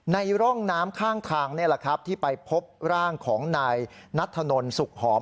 ร่องน้ำข้างทางนี่แหละครับที่ไปพบร่างของนายนัทธนลสุกหอม